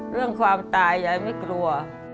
เรื่องความตายยายไม่กลัว